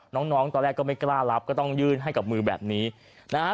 น้องน้องตอนแรกก็ไม่กล้ารับก็ต้องยื่นให้กับมือแบบนี้นะฮะ